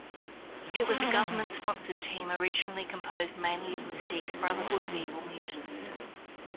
It was a government-sponsored team originally composed mainly of Mystique's Brotherhood of Evil Mutants.